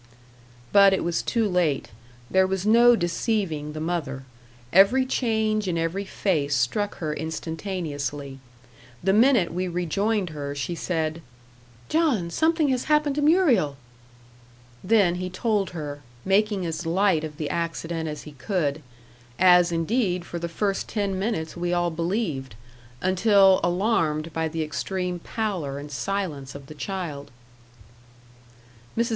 But it was too late. There was no deceiving the mother. Every change in every face struck her instantaneously. The minute we rejoined her she said: "John, something has happened to Muriel." Then he told her, making as light of the accident as he could; as, indeed, for the first ten minutes we all believed, until alarmed by the extreme pallor and silence of the child. Mrs.